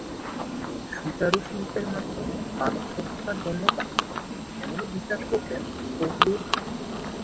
সুচারু শিল্পের মাধ্যমে মানব সভ্যতার জন্য কাজ—এমনই বিশ্বাস করতেন ফজলুর খান।